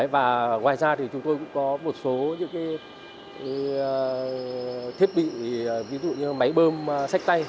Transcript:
và ngoài ra thì chúng tôi cũng có một số những thiết bị ví dụ như máy bơm sách tay